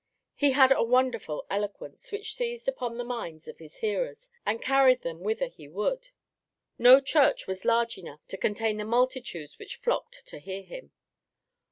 He had a wonderful eloquence, which seized upon the minds of his hearers and carried them whither he would. No church was large enough to contain the multitudes which flocked to hear him.